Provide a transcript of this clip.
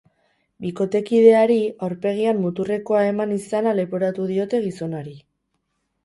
Bikotekideari aurpegian muturrekoa eman izana leporatu diote gizonari.